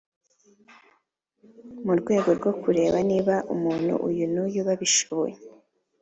Mu rwego rwo kureba niba umuntu uyu nuyu babishoboye